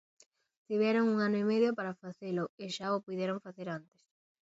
Tiveron un ano e medio para facelo, e xa o puideron facer antes.